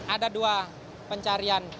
ada dua pencarian